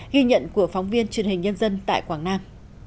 ghi nhận của phóng viên truyền hình nhân dân tại quảng nam